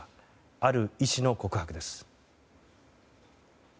ある医師の告白です。